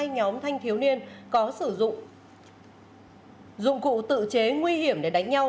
hai nhóm thanh thiếu niên có sử dụng cụ tự chế nguy hiểm để đánh nhau